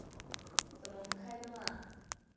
怎么不开灯啊